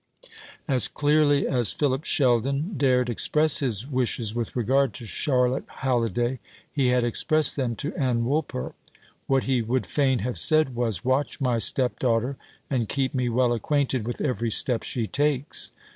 As clearly as Philip Sheldon dared express his wishes with regard to Charlotte Halliday, he had expressed them to Ann Woolper. What he would fain have said, was, "Watch my stepdaughter, and keep me well acquainted with every step she takes."